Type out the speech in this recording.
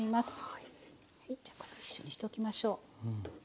はいじゃあこれ一緒にしときましょう。